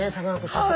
さすが。